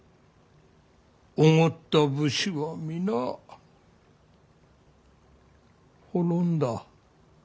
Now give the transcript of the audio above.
おごった武士は皆滅んだ。